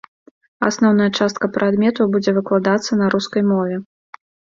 Асноўная частка прадметаў будзе выкладацца на рускай мове.